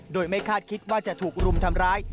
โดยไม่คาดคิดว่าจะถูกรุมทำร้าย